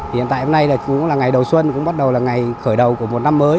hiện tại hôm nay cũng là ngày đầu xuân cũng bắt đầu là ngày khởi đầu của một năm mới